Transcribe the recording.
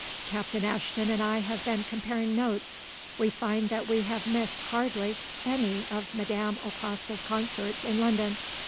Captain Ashton and I have been comparing notes; we find that we have missed hardly any of Madame Okraska's concerts in London.